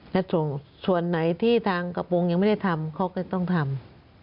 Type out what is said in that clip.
และส่วนไหนที่ทางกระโปรงยังไม่ได้ทำเขาก็ต้องทำ